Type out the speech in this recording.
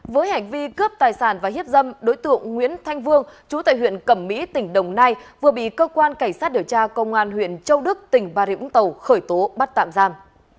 với hành vi cướp tài sản và hiếp dâm đối tượng nguyễn thanh vương chú tại huyện cẩm mỹ tỉnh đồng nai vừa bị cơ quan cảnh sát điều tra công an huyện châu đức tỉnh bà rịa vũng tàu khởi tố bắt tạm giam